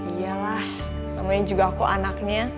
iya lah namanya juga aku anaknya